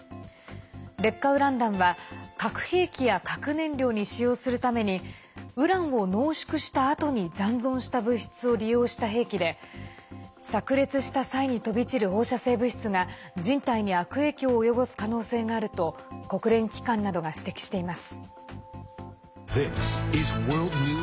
劣化ウラン弾は核兵器や核燃料に使用するためにウランを濃縮したあとに残存した物質を利用した兵器でさく裂した際に飛び散る放射性物質が人体に悪影響を及ぼす可能性があると国連機関などが指摘しています。